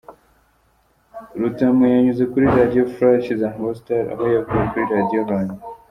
Rutamu yanyuze kuri Radio Flash, Isango Star aho yavuye kuri Radio Rwanda.